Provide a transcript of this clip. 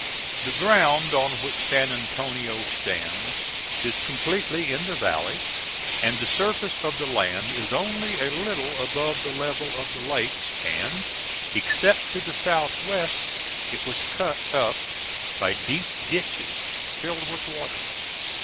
The ground on which San Antonio stands is completely in the valley, and the surface of the land is only a little above the level of the lakes, and, except to the south west, it was cut up by deep ditches filled with water.